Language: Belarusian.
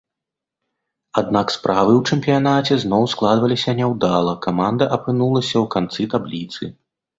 Аднак справы ў чэмпіянаце зноў складваліся няўдала, каманда апынулася ў канцы табліцы.